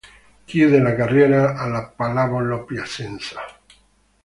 Chiude la carriera alla Pallavolo Piacenza.